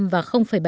hai sáu và bảy